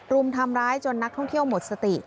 รุมทำร้ายจนนักท่องเที่ยวหมดสติ